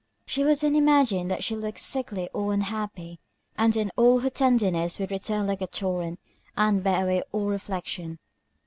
She would then imagine that she looked sickly or unhappy, and then all her tenderness would return like a torrent, and bear away all reflection.